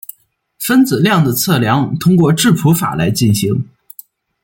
分子量的测量通过质谱法来进行。